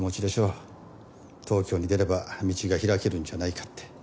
東京に出れば道が開けるんじゃないかって。